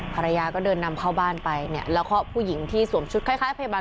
ภรรยาก็เดินนำเข้าบ้านไปเนี่ยแล้วก็ผู้หญิงที่สวมชุดคล้ายพยาบาล